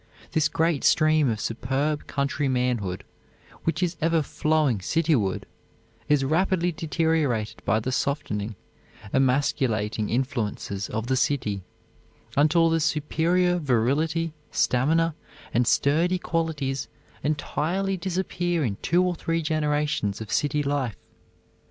This great stream of superb country manhood, which is ever flowing cityward, is rapidly deteriorated by the softening, emasculating influences of the city, until the superior virility, stamina and sturdy qualities entirely disappear in two or three generations of city life.